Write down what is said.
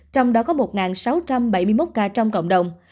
trong đó có một sáu trăm bảy mươi một ca trong cộng đồng